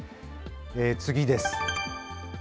次です。